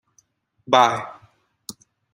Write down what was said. Bye!